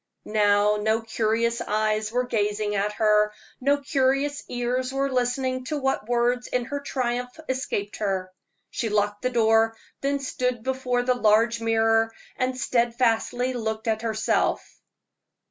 Now no curious eyes were gazing at her, no curious ears were listening to what words in her triumph escaped her. She locked the door, then stood before the large mirror and steadfastly looked at herself.